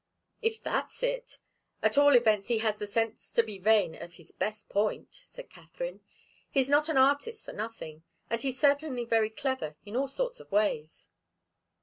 "If that's it, at all events he has the sense to be vain of his best point," said Katharine. "He's not an artist for nothing. And he's certainly very clever in all sorts of ways."